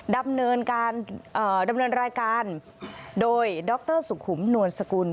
ดำเนินรายการโดยดรสุขุมนวลสกุล